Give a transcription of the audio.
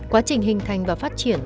quá trình hình thành và phát triển